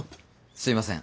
すいません。